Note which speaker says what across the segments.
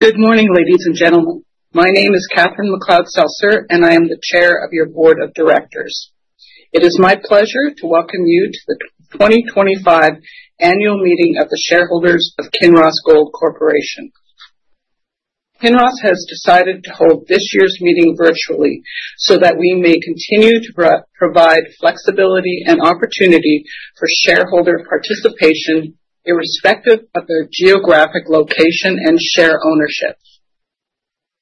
Speaker 1: Good morning, ladies and gentlemen. My name is Catherine McLeod-Seltzer, and I am the Chair of your board of directors. It is my pleasure to welcome you to the 2025 Annual Meeting of the Shareholders of Kinross Gold Corporation. Kinross has decided to hold this year's meeting virtually so that we may continue to provide flexibility and opportunity for shareholder participation irrespective of their geographic location and share ownership.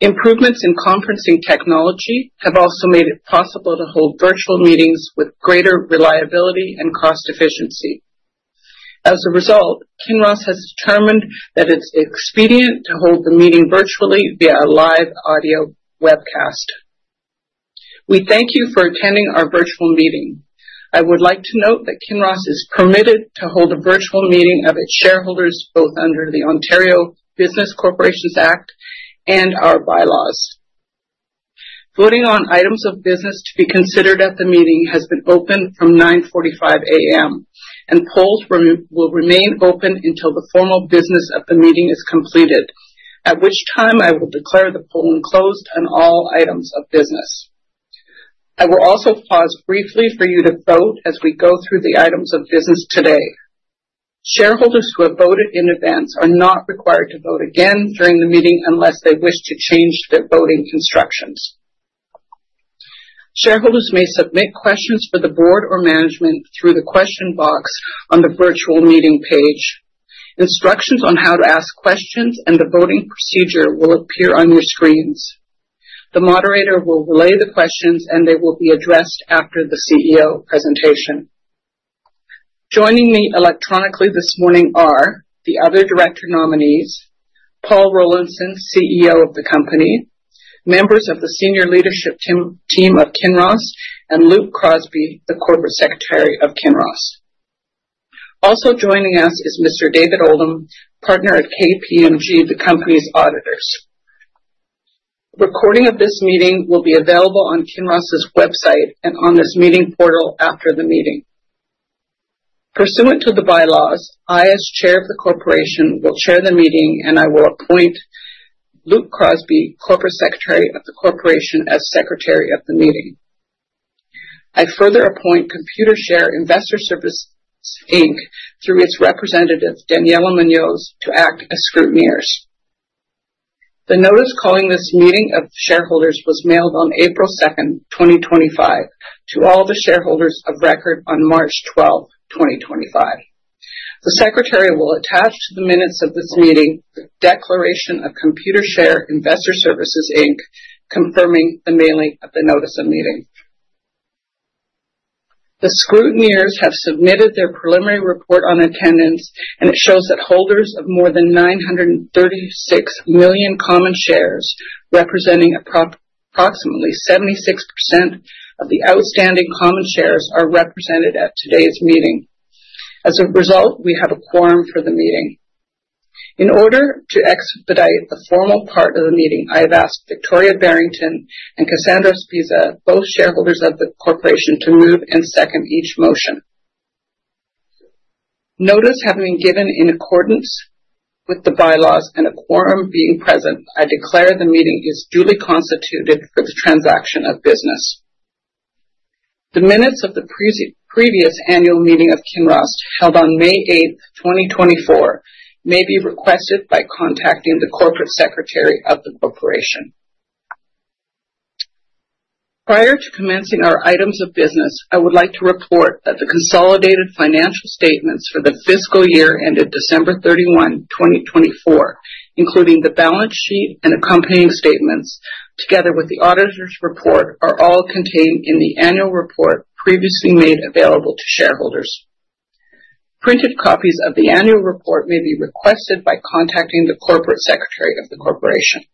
Speaker 1: Improvements in conferencing technology have also made it possible to hold virtual meetings with greater reliability and cost efficiency. As a result, Kinross has determined that it's expedient to hold the meeting virtually via a live audio webcast. We thank you for attending our virtual meeting. I would like to note that Kinross is permitted to hold a virtual meeting of its shareholders both under the Ontario Business Corporations Act and our bylaws. Voting on items of business to be considered at the meeting has been open from 9:45 A.M. and polls will remain open until the formal business of the meeting is completed, at which time I will declare the polls closed on all items of business. I will also pause briefly for you to vote as we go through the items of business today. Shareholders who have voted in advance are not required to vote again during the meeting unless they wish to change their voting instructions. Shareholders may submit questions for the board or management through the question box on the virtual meeting page. Instructions on how to ask questions and the voting procedure will appear on your screens. The moderator will relay the questions, and they will be addressed after the CEO presentation. Joining me electronically this morning are the other director nominees, Paul Rollinson, CEO of the company, members of the senior leadership team of Kinross, and Luke Crosby, the corporate secretary of Kinross. Also joining us is Mr. David Oldham, partner at KPMG, the company's auditors. Recording of this meeting will be available on Kinross's website and on this meeting portal after the meeting. Pursuant to the bylaws, I, as chair of the corporation, will chair the meeting, and I will appoint Luke Crosby, corporate secretary of the corporation, as secretary of the meeting. I further appoint Computershare Investor Services Inc. through its representative, Daniela Munoz, to act as scrutineers. The notice calling this meeing of shareholders was mailed on April 2nd, 2025, to all the shareholders of record on March 12th, 2025. The secretary will attach to the minutes of this meeting the declaration of Computershare Investor Services Inc., confirming the mailing of the notice of meeting. The scrutineers have submitted their preliminary report on attendance, and it shows that holders of more than 936 million common shares, representing approximately 76% of the outstanding common shares, are represented at today's meeting. As a result, we have a quorum for the meeting. In order to expedite the formal part of the meeting, I have asked Victoria Barrington and Cassandra Spezza, both shareholders of the corporation, to move and second each motion. Notice having been given in accordance with the bylaws and a quorum being present, I declare the meeting is duly constituted for the transaction of business. The minutes of the previous annual meeting of Kinross held on May 8th, 2024, may be requested by contacting the corporate secretary of the corporation. Prior to commencing our items of business, I would like to report that the consolidated financial statements for the fiscal year ended December 31, 2024, including the balance sheet and accompanying statements, together with the auditor's report, are all contained in the annual report previously made available to shareholders. Printed copies of the annual report may be requested by contacting the corporate secretary of the corporation.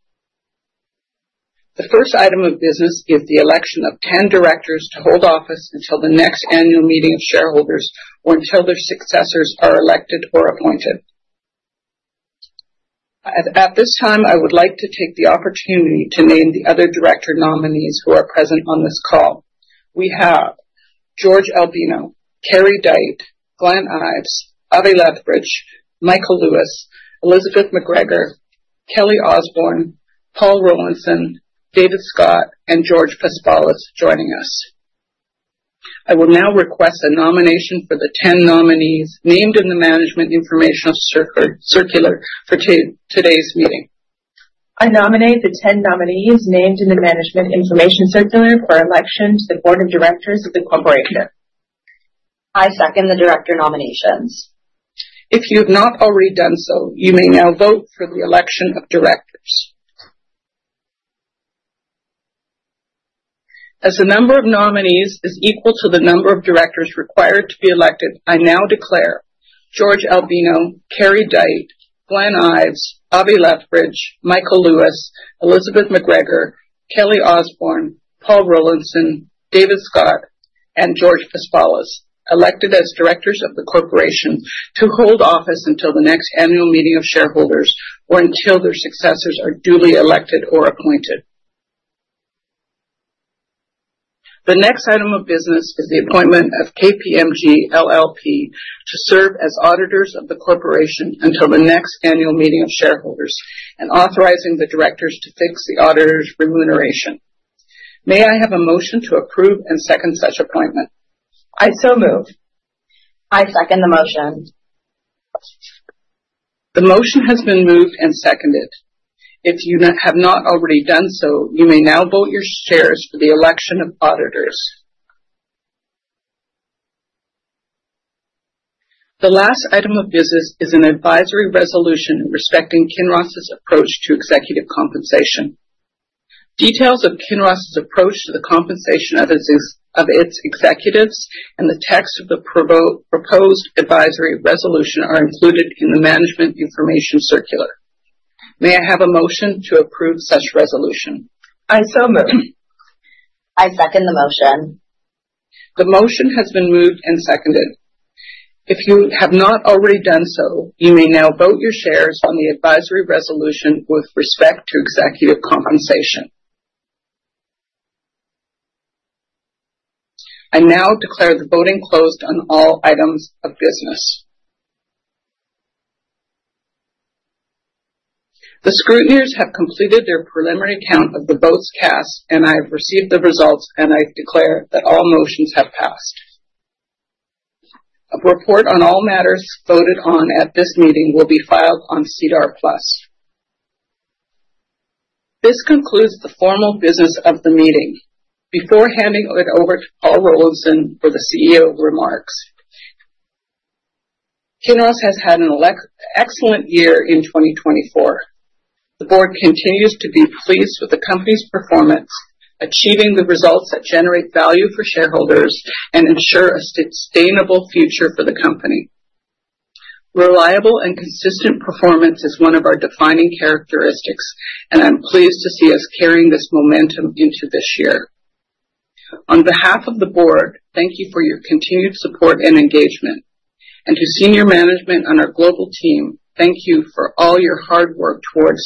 Speaker 1: The first item of business is the election of 10 directors to hold office until the next annual meeting of shareholders or until their successors are elected or appointed. At this time, I would like to take the opportunity to name the other director nominees who are present on this call. We have George Albino, Kerry Dyte, Glenn Ives, Ave Lethbridge, Michael Lewis, Elizabeth McGregor, Kelly Osborne, Paul Rollinson, David Scott, and George Paspalas joining us. I will now request a nomination for the 10 nominees named in the Management Information Circular for today's meeting.
Speaker 2: I nominate the 10 nominees named in the Management Information Circular for election to the board of directors of the corporation.
Speaker 3: I second the director nominations.
Speaker 1: If you have not already done so, you may now vote for the election of directors. As the number of nominees is equal to the number of directors required to be elected, I now declare George Albino, Kerry Dyte, Glenn Ives, Ave Lethbridge, Michael Lewis, Elizabeth McGregor, Kelly Osborne, Paul Rollinson, David Scott, and George Paspalas elected as directors of the corporation to hold office until the next annual meeting of shareholders or until their successors are duly elected or appointed. The next item of business is the appointment of KPMG LLP to serve as auditors of the corporation until the next annual meeting of shareholders and authorizing the directors to fix the auditor's remuneration. May I have a motion to approve and second such appointment?
Speaker 2: I so move.
Speaker 3: I second the motion.
Speaker 1: The motion has been moved and seconded. If you have not already done so, you may now vote your shares for the election of auditors. The last item of business is an advisory resolution respecting Kinross's approach to executive compensation. Details of Kinross's approach to the compensation of its executives and the text of the proposed advisory resolution are included in the Management Information Circular. May I have a motion to approve such resolution?
Speaker 2: I so move.
Speaker 3: I second the motion.
Speaker 1: The motion has been moved and seconded. If you have not already done so, you may now vote your shares on the advisory resolution with respect to executive compensation. I now declare the voting closed on all items of business. The scrutineers have completed their preliminary count of the votes cast, and I have received the results, and I declare that all motions have passed. A report on all matters voted on at this meeting will be filed on SEDAR+. This concludes the formal business of the meeting. Before handing it over to Paul Rollinson for the CEO remarks, Kinross has had an excellent year in 2024. The board continues to be pleased with the company's performance, achieving the results that generate value for shareholders and ensure a sustainable future for the company. Reliable and consistent performance is one of our defining characteristics, and I'm pleased to see us carrying this momentum into this year. On behalf of the board, thank you for your continued support and engagement, and to senior management on our global team, thank you for all your hard work towards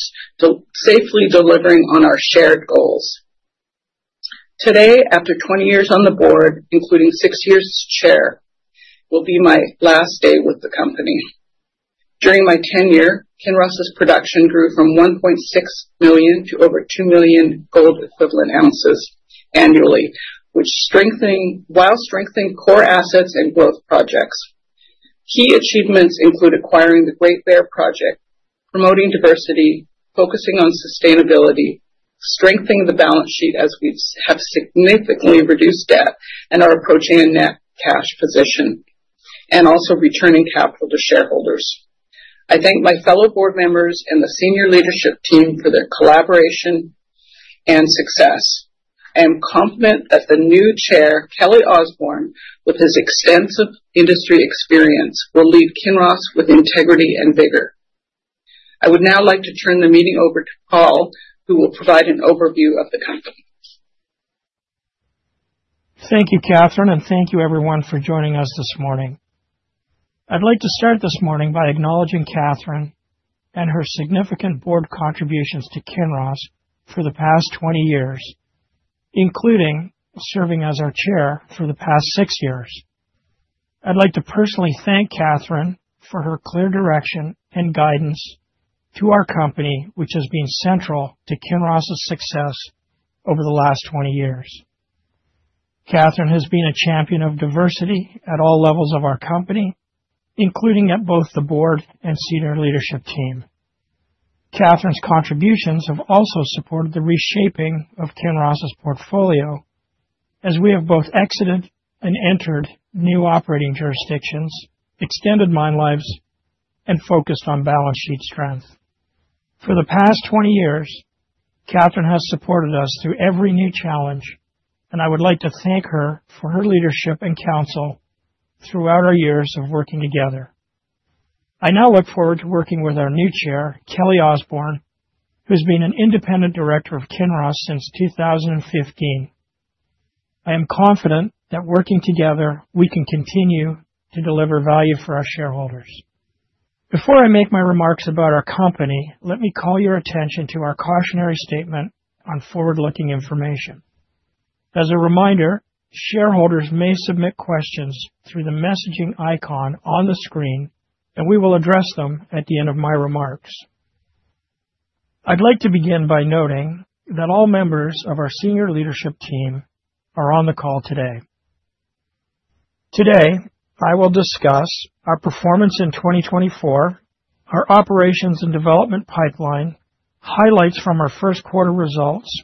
Speaker 1: safely delivering on our shared goals. Today, after 20 years on the board, including six years as chair, will be my last day with the company. During my tenure, Kinross's production grew from 1.6 million to over 2 million gold equivalent ounces annually, while strengthening core assets and growth projects. Key achievements include acquiring the Great Bear Project, promoting diversity, focusing on sustainability, strengthening the balance sheet as we have significantly reduced debt and are approaching a net cash position, and also returning capital to shareholders. I thank my fellow board members and the senior leadership team for their collaboration and success. I am confident that the new Chair, Kelly Osborne, with his extensive industry experience, will lead Kinross with integrity and vigor. I would now like to turn the meeting over to Paul, who will provide an overview of the company.
Speaker 4: Thank you, Catherine, and thank you, everyone, for joining us this morning. I'd like to start this morning by acknowledging Catherine and her significant board contributions to Kinross for the past 20 years, including serving as our chair for the past six years. I'd like to personally thank Catherine for her clear direction and guidance to our company, which has been central to Kinross's success over the last 20 years. Catherine has been a champion of diversity at all levels of our company, including at both the board and senior leadership team. Catherine's contributions have also supported the reshaping of Kinross's portfolio as we have both exited and entered new operating jurisdictions, extended mine lives, and focused on balance sheet strength. For the past 20 years, Catherine has supported us through every new challenge, and I would like to thank her for her leadership and counsel throughout our years of working together. I now look forward to working with our new chair, Kelly Osborne, who has been an independent director of Kinross since 2015. I am confident that working together, we can continue to deliver value for our shareholders. Before I make my remarks about our company, let me call your attention to our cautionary statement on forward-looking information. As a reminder, shareholders may submit questions through the messaging icon on the screen, and we will address them at the end of my remarks. I'd like to begin by noting that all members of our senior leadership team are on the call today. Today, I will discuss our performance in 2024, our operations and development pipeline, highlights from our first quarter results,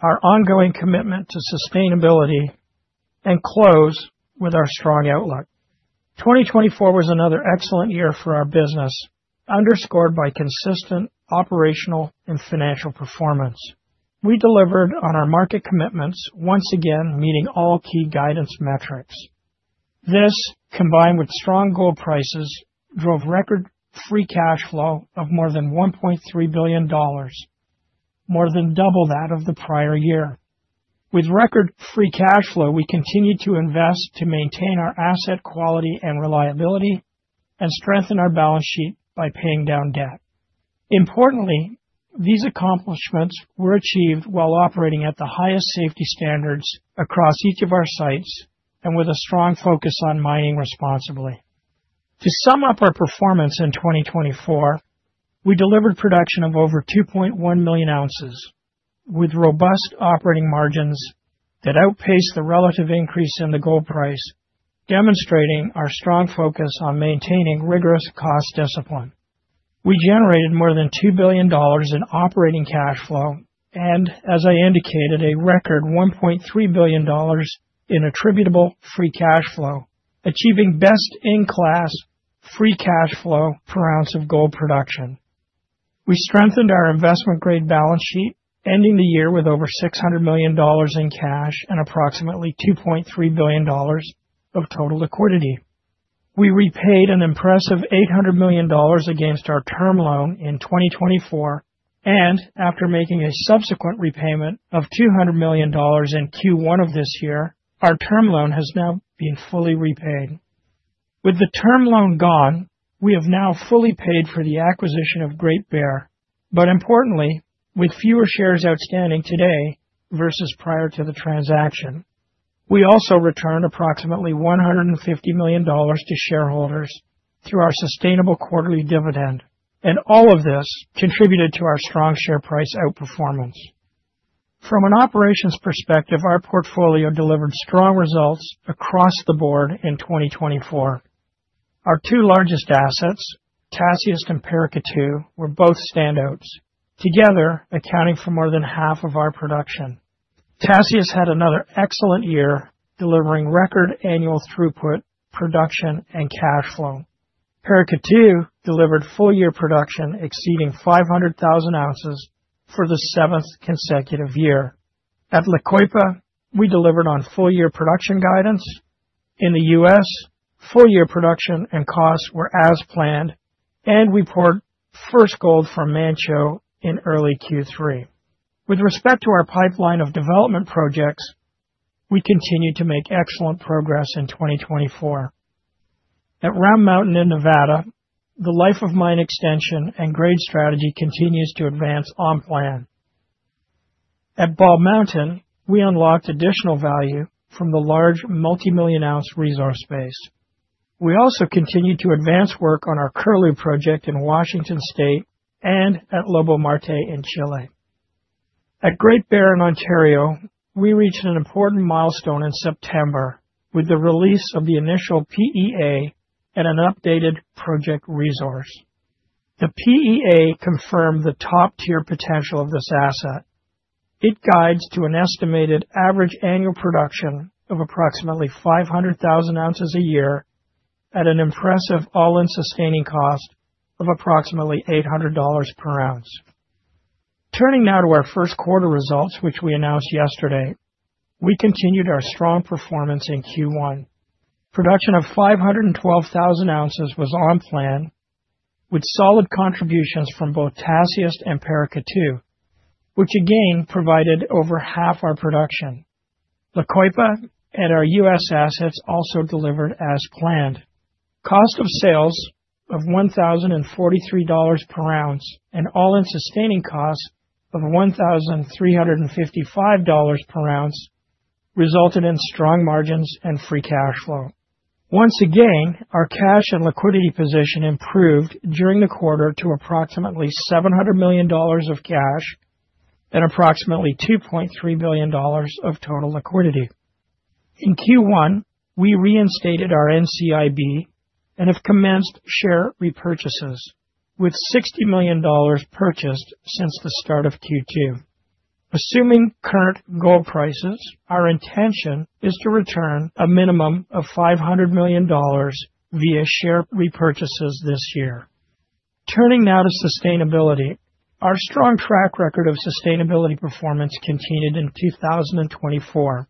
Speaker 4: our ongoing commitment to sustainability, and close with our strong outlook. 2024 was another excellent year for our business, underscored by consistent operational and financial performance. We delivered on our market commitments, once again meeting all key guidance metrics. This, combined with strong gold prices, drove record free cash flow of more than $1.3 billion, more than double that of the prior year. With record free cash flow, we continue to invest to maintain our asset quality and reliability and strengthen our balance sheet by paying down debt. Importantly, these accomplishments were achieved while operating at the highest safety standards across each of our sites and with a strong focus on mining responsibly. To sum up our performance in 2024, we delivered production of over 2.1 million ounces with robust operating margins that outpaced the relative increase in the gold price, demonstrating our strong focus on maintaining rigorous cost discipline. We generated more than $2 billion in operating cash flow and, as I indicated, a record $1.3 billion in attributable free cash flow, achieving best-in-class free cash flow per ounce of gold production. We strengthened our investment-grade balance sheet, ending the year with over $600 million in cash and approximately $2.3 billion of total liquidity. We repaid an impressive $800 million against our term loan in 2024, and after making a subsequent repayment of $200 million in Q1 of this year, our term loan has now been fully repaid. With the term loan gone, we have now fully paid for the acquisition of Great Bear, but importantly, with fewer shares outstanding today versus prior to the transaction. We also returned approximately $150 million to shareholders through our sustainable quarterly dividend, and all of this contributed to our strong share price outperformance. From an operations perspective, our portfolio delivered strong results across the board in 2024. Our two largest assets, Tasiast and Paracatu, were both standouts, together accounting for more than half of our production. Tasiast had another excellent year, delivering record annual throughput, production, and cash flow. Paracatu delivered full-year production exceeding 500,000 ounces for the seventh consecutive year. At La Coipa, we delivered on full-year production guidance. In the US, full-year production and costs were as planned, and we poured first gold from Manh Choh in early Q3. With respect to our pipeline of development projects, we continue to make excellent progress in 2024. At Round Mountain in Nevada, the life of mine extension and grade strategy continues to advance on plan. At Bald Mountain, we unlocked additional value from the large multi-million ounce resource base. We also continue to advance work on our Curlew project in Washington State and at Lobo-Marte in Chile. At Great Bear in Ontario, we reached an important milestone in September with the release of the initial PEA and an updated project resource. The PEA confirmed the top-tier potential of this asset. It guides to an estimated average annual production of approximately 500,000 ounces a year at an impressive all-in sustaining cost of approximately $800 per ounce. Turning now to our first quarter results, which we announced yesterday, we continued our strong performance in Q1. Production of 512,000 ounces was on plan, with solid contributions from both Tasiast and Paracatu, which again provided over half our production. La Coipa and our US assets also delivered as planned. Cost of sales of $1,043 per ounce and all-in sustaining cost of $1,355 per ounce resulted in strong margins and free cash flow. Once again, our cash and liquidity position improved during the quarter to approximately $700 million of cash and approximately $2.3 billion of total liquidity. In Q1, we reinstated our NCIB and have commenced share repurchases, with $60 million purchased since the start of Q2. Assuming current gold prices, our intention is to return a minimum of $500 million via share repurchases this year. Turning now to sustainability, our strong track record of sustainability performance continued in 2024.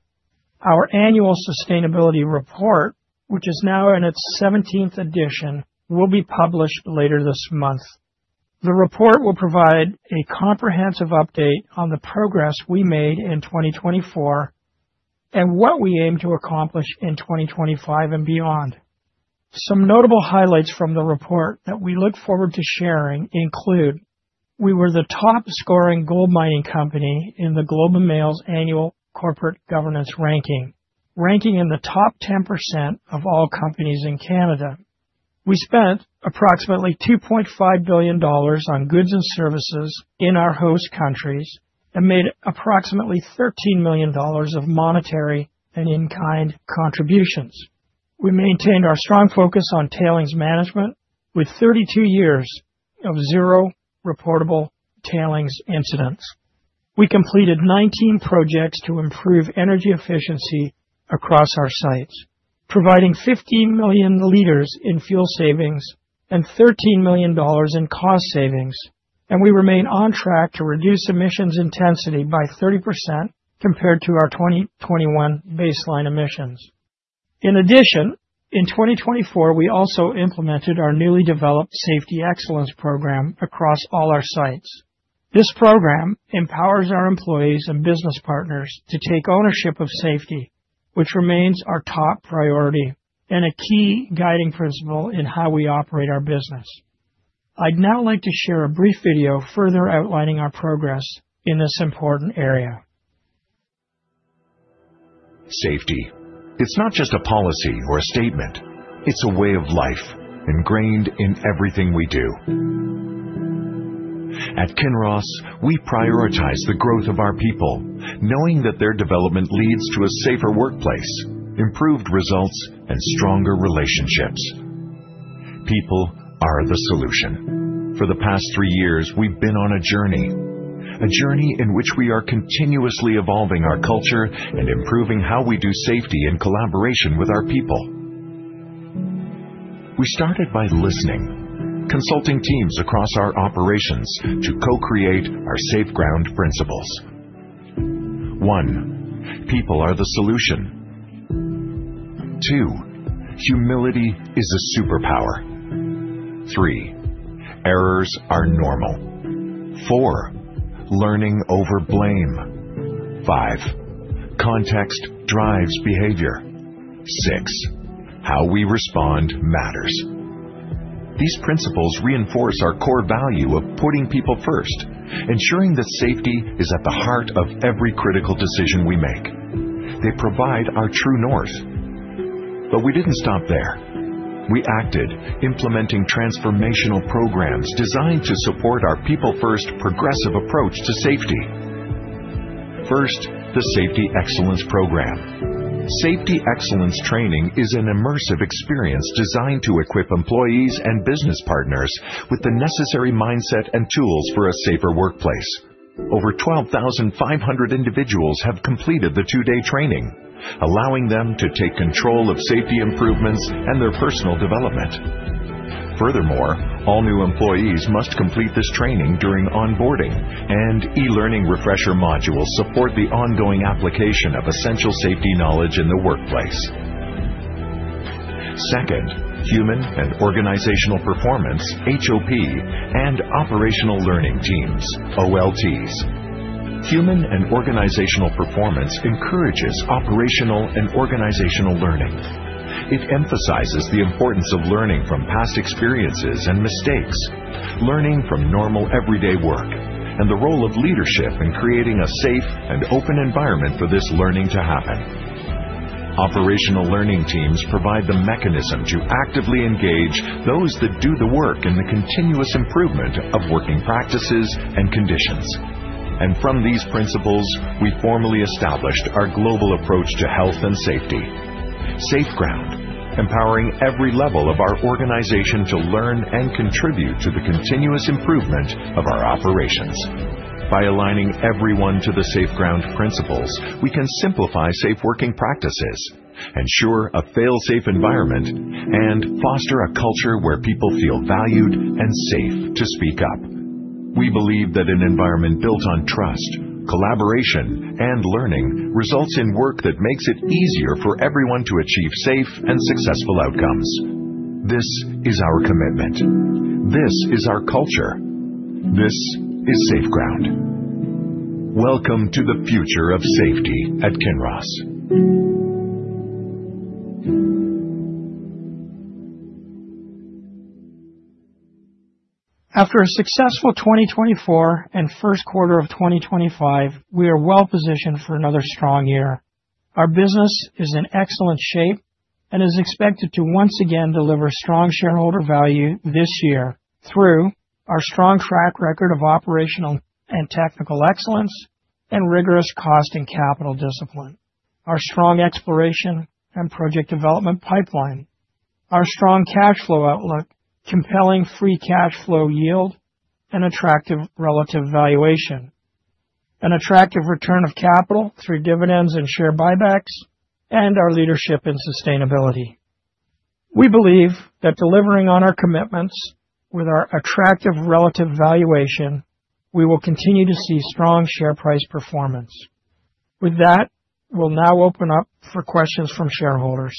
Speaker 4: Our annual sustainability report, which is now in its 17th edition, will be published later this month. The report will provide a comprehensive update on the progress we made in 2024 and what we aim to accomplish in 2025 and beyond. Some notable highlights from the report that we look forward to sharing include we were the top-scoring gold mining company in The Globe and Mail's annual corporate governance ranking, ranking in the top 10% of all companies in Canada. We spent approximately $2.5 billion on goods and services in our host countries and made approximately $13 million of monetary and in-kind contributions. We maintained our strong focus on tailings management with 32 years of zero reportable tailings incidents. We completed 19 projects to improve energy efficiency across our sites, providing 15 million L in fuel savings and $13 million in cost savings, and we remain on track to reduce emissions intensity by 30% compared to our 2021 baseline emissions. In addition, in 2024, we also implemented our newly developed Safety Excellence Program across all our sites. This program empowers our employees and business partners to take ownership of safety, which remains our top priority and a key guiding principle in how we operate our business. I'd now like to share a brief video further outlining our progress in this important area. Safety. It's not just a policy or a statement. It's a way of life ingrained in everything we do. At Kinross, we prioritize the growth of our people, knowing that their development leads to a safer workplace, improved results, and stronger relationships. People are the solution. For the past three years, we've been on a journey, a journey in which we are continuously evolving our culture and improving how we do safety in collaboration with our people. We started by listening, consulting teams across our operations to co-create our SafeGround principles. One, people are the solution. Two, humility is a superpower. Three, errors are normal. Four, learning over blame. Five, context drives behavior. Six, how we respond matters. These principles reinforce our core value of putting people first, ensuring that safety is at the heart of every critical decision we make. They provide our true north. But we didn't stop there. We acted, implementing transformational programs designed to support our people-first progressive approach to safety. First, the Safety Excellence Program. Safety Excellence Training is an immersive experience designed to equip employees and business partners with the necessary mindset and tools for a safer workplace. Over 12,500 individuals have completed the two-day training, allowing them to take control of safety improvements and their personal development. Furthermore, all new employees must complete this training during onboarding, and e-learning refresher modules support the ongoing application of essential safety knowledge in the workplace. Second, Human and Organizational Performance, HOP, and Operational Learning Teams, OLTs. Human and Organizational Performance encourages operational and organizational learning. It emphasizes the importance of learning from past experiences and mistakes, learning from normal everyday work, and the role of leadership in creating a safe and open environment for this learning to happen. Operational Learning Teams provide the mechanism to actively engage those that do the work in the continuous improvement of working practices and conditions, and from these principles, we formally established our global approach to health and safety, SafeGround, empowering every level of our organization to learn and contribute to the continuous improvement of our operations. By aligning everyone to the SafeGround principles, we can simplify safe working practices, ensure a fail-safe environment, and foster a culture where people feel valued and safe to speak up. We believe that an environment built on trust, collaboration, and learning results in work that makes it easier for everyone to achieve safe and successful outcomes. This is our commitment. This is our culture. This is SafeGround. Welcome to the future of safety at Kinross. After a successful 2024 and first quarter of 2025, we are well positioned for another strong year. Our business is in excellent shape and is expected to once again deliver strong shareholder value this year through our strong track record of operational and technical excellence and rigorous cost and capital discipline, our strong exploration and project development pipeline, our strong cash flow outlook, compelling free cash flow yield, and attractive relative valuation, an attractive return of capital through dividends and share buybacks, and our leadership in sustainability. We believe that delivering on our commitments with our attractive relative valuation, we will continue to see strong share price performance. With that, we'll now open up for questions from shareholders.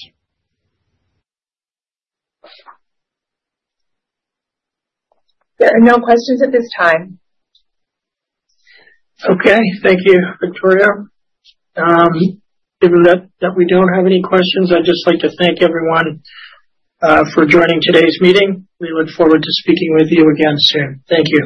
Speaker 2: There are no questions at this time.
Speaker 4: Okay. Thank you, Victoria. Given that we don't have any questions, I'd just like to thank everyone for joining today's meeting. We look forward to speaking with you again soon. Thank you.